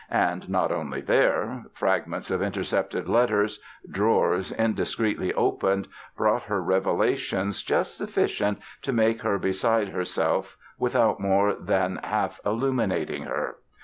And not only there: fragments of intercepted letters, drawers indiscreetly opened, brought her revelations just sufficient to make her beside herself without more than half illuminating her.